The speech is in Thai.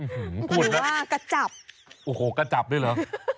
คุณว่ากระจับโอ้โหกระจับด้วยเหรอ